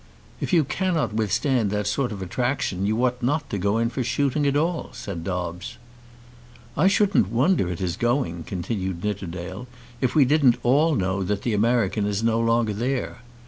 "If you cannot withstand that sort of attraction you ought not to go in for shooting at all," said Dobbes. "I shouldn't wonder at his going," continued Nidderdale, "if we didn't all know that the American is no longer there.